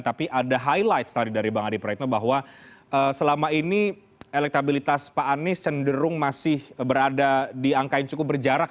tapi ada highlight tadi dari bang adi praetno bahwa selama ini elektabilitas pak anies cenderung masih berada di angka yang cukup berjarak